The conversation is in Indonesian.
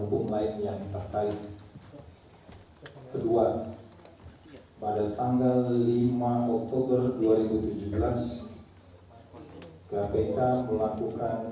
kpk melakukan penyelidikan baru